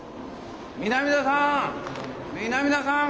南田さん！